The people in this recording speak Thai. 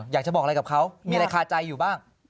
อยากจะบอกอะไรกับเขามีอะไรคาใจอยู่บ้าง